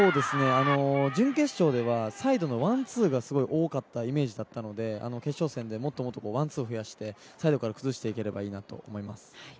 準決勝ではサイドのワンツーが多かったイメージだったので決勝戦でもっともっとワンツーを増やして、サイドから崩していければいいなと思います。